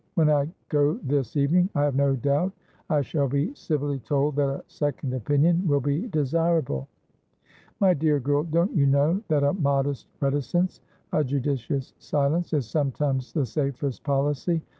When I go this evening, I have no doubt I shall be civilly told that a second opinion will be desirable. My dear girl, don't you know that a modest reticence, a judicious silence, is sometimes the safest policy.